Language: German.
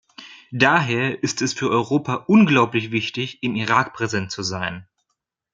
Daher ist es für Europa unglaublich wichtig, im Irak präsent zu sein.